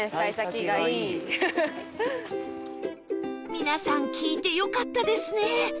皆さん聞いてよかったですね